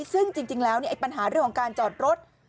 ซึ่งจริงแล้วปัญหาเรื่องของการจอดรถ